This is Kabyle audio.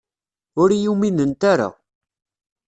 Ur iyi-uminent ara.